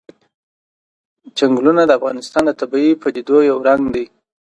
چنګلونه د افغانستان د طبیعي پدیدو یو رنګ دی.